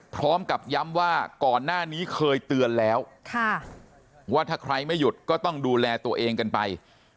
พร้อมกับย้ำว่าก่อนหน้านี้เคยเตือนแล้วว่าถ้าใครไม่หยุดก็ต้องดูแลตัวเองกันไป